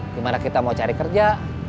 gimana kita mau cari kerja